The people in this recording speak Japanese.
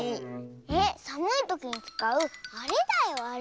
えっさむいときにつかうあれだよあれ。